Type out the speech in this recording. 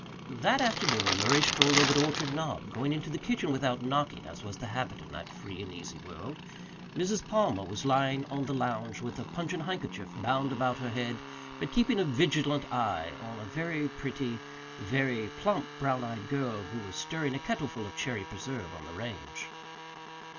That afternoon Murray strolled over to Orchard Knob, going into the kitchen without knocking as was the habit in that free and easy world. Mrs. Palmer was lying on the lounge with a pungent handkerchief bound about her head, but keeping a vigilant eye on a very pretty, very plump brown eyed girl who was stirring a kettleful of cherry preserve on the range.